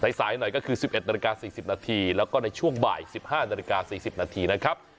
ในสายหน่อยก็คือสิบเอ็ดนาฬิกาสี่สิบนาทีแล้วก็ในช่วงบ่ายสิบห้านาฬิกาสี่สิบนาทีนะครับ